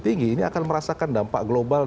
tinggi ini akan merasakan dampak global